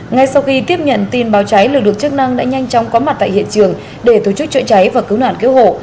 ngay sau khi tiếp nhận tin báo cháy lực lượng chức năng đã nhanh chóng có mặt tại hiện trường để tổ chức chữa cháy và cứu nạn cứu hộ